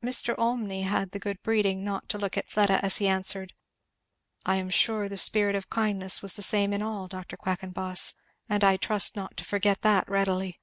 Mr. Olmney had the good breeding not to look at Fleda, as he answered, "I am sure the spirit of kindness was the same in all, Dr. Quackenboss, and I trust not to forget that readily."